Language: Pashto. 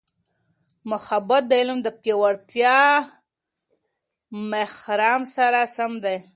محبت د علم د پیاوړتیا مرام سره سم دی.